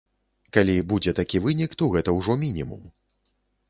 Калі будзе такі вынік, то гэта ўжо мінімум.